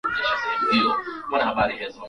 Kinyesi cha wanyama wenye ugonjwa wa miguu na midomo